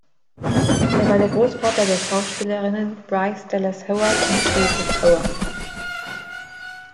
Er war der Großvater der Schauspielerinnen Bryce Dallas Howard und Paige Howard.